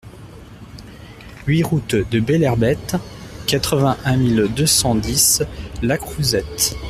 huit route de Belherbette, quatre-vingt-un mille deux cent dix Lacrouzette